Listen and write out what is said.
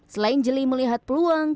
selain jeli melihat peluang